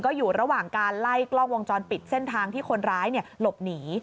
ก็อยู่ระหว่างการไล่กล้องวงจรปิดเส้นทางที่คนร้ายหลบหนี